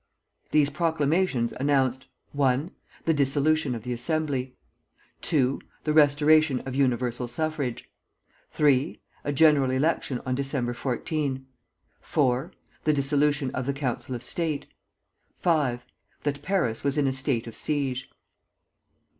These proclamations announced, I. The dissolution of the Assembly. II. The restoration of universal suffrage. III. A general election on December 14. IV. The dissolution of the Council of State. V. That Paris was in a state of siege.